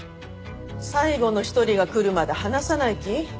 最後の１人が来るまで話さない気？